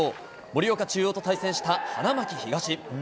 盛岡中央と対戦した花巻東。